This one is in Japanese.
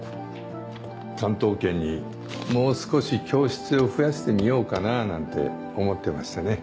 関東圏にもう少し教室を増やしてみようかななんて思ってましてね。